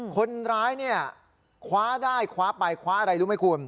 คนร้ายเนี่ยคว้าได้คว้าไปคว้าอะไรรู้ไหมคุณ